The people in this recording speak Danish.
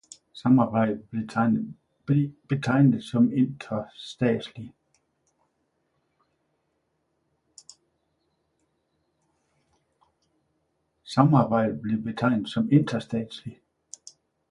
Samarbejdet blev betegnet som interstatslig